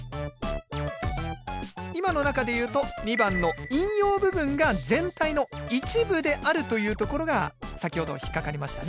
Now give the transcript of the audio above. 今の中でいうと２番の引用部分が全体の一部であるというところが先ほど引っ掛かりましたね。